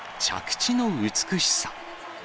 着地の美しさ。